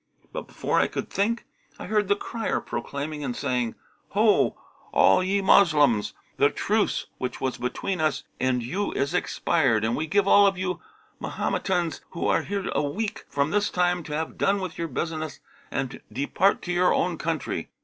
But, before I could think, I heard the crier proclaiming and saying, 'Ho, all ye Moslems, the truce which was between us and you is expired, and we give all of you Mahometans who are here a week from this time to have done with your business and depart to your own country.'